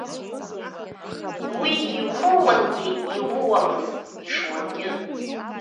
Уи иууангьы иууамызт, ишуангьы.